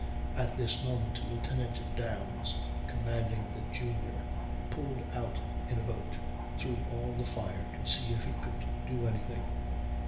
At this moment Lieutenant Downes, commanding the Junior, pulled out in a boat, through all the fire, to see if he could do any thing.